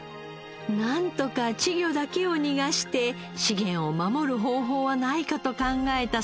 なんとか稚魚だけを逃がして資源を守る方法はないかと考えた齋田さん。